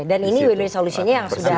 dan ini win win solutionnya yang sudah